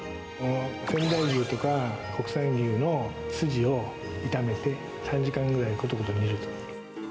仙台牛とか国産牛の筋を炒めて３時間くらいコトコト煮るんですよ。